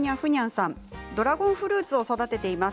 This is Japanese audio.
ドラゴンフルーツを育てています。